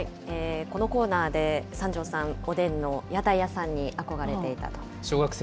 このコーナーで三條さん、おでんの屋台屋さんに憧れていたと。